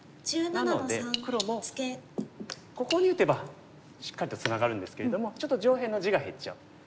なので黒もここに打てばしっかりとツナがるんですけれどもちょっと上辺の地が減っちゃう。